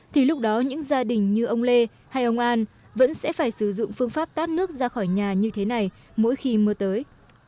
thì lúc đó những gia đình như ông lê hay ông an vẫn sẽ phải sử dụng phương pháp tót nước ra khỏi nhà như thế này mỗi khi mưa tới